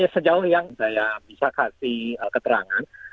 sejauh yang saya bisa kasih keterangan